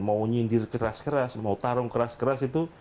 mau nyindir keras keras mau tarung keras keras itu